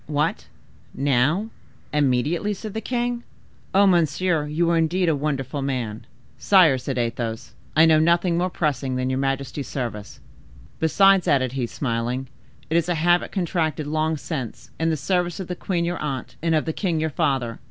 "What, now—immediately!" said the king. "Ah, monsieur, you are indeed a wonderful man!" "Sire," said Athos, "I know nothing more pressing than your majesty's service. Besides," added he, smiling, "it is a habit contracted long since, in the service of the queen your aunt, and of the king your father.